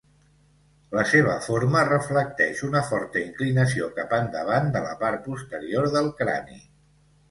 La seva forma reflecteix una forta inclinació cap endavant de la part posterior del crani.